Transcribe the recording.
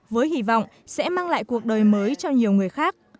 với hy vọng sẽ mang lại cuộc đời mới cho nhiều người khác